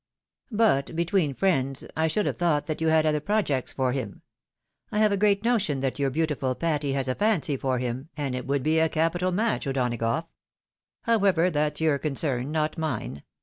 But, between friends, I should have thought that you had other projects for him. I have a great notion that your beautiful Patty has a fancy for him, and it would be a capital match, O'Donagough. However, that's your concern, not mine.